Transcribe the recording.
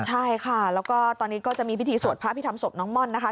ใช่ค่ะแล้วก็ตอนนี้ก็จะมีพิธีสวดพระพิธรรมศพน้องม่อนนะคะ